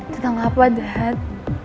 tentang apa dad